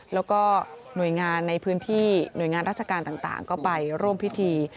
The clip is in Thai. แล้วก็หน่วยงานในพื้นที่หน่วยงานราชการต่างก็ไปร่วมพิธี